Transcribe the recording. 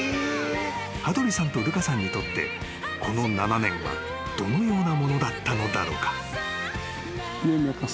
［羽鳥さんとルカさんにとってこの７年はどのようなものだったのだろうか？］